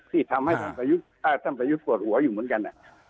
ที่ทำให้ท่านประยุทธ์ปวดหัวอยู่เหมือนกัน